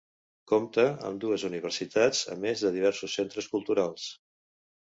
Compta amb dues universitats a més de diversos centres culturals.